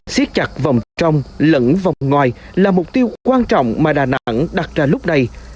xiết chặt vòng trong lẫn vòng ngoài là mục tiêu quan trọng mà đà nẵng đặt ra lúc đây